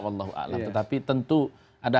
wallahu'ala tetapi tentu ada